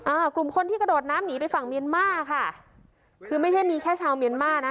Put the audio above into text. อ่ากลุ่มคนที่กระโดดน้ำหนีไปฝั่งเมียนมาค่ะคือไม่ใช่มีแค่ชาวเมียนมานะ